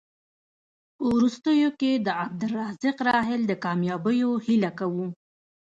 په وروستیو کې د عبدالرزاق راحل د کامیابیو هیله کوو.